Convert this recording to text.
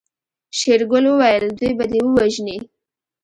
شېرګل وويل دوی به دې ووژني.